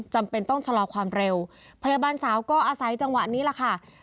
จำเป็นต้องชะลอความเร็วพยาบาลสาวก็อาศัยจังหวะนี้แหละค่ะ